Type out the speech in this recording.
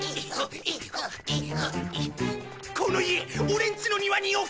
この家オレん家の庭に置こう！